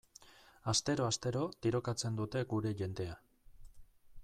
Astero-astero tirokatzen dute gure jendea.